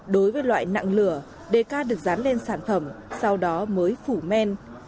đối với loại nặng lửa đề ca được dán lên sản phẩm sau đó mới phủ men